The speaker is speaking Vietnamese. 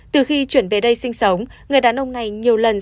từ khi chuyển về đây sinh sống người đàn ông này nhiều lần